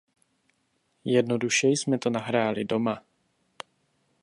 Jednoduše jsme to nahráli doma.